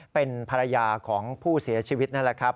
เป็นภรรยาของผู้เสียชีวิตนั่นแหละครับ